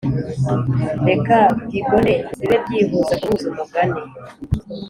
reka bygone bibe byihuza guhuza umugani